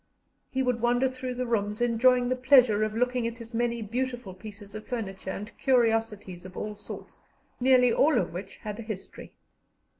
He would wander through the rooms, enjoying the pleasure of looking at his many beautiful pieces of furniture and curiosities of all sorts, nearly all of which had a history.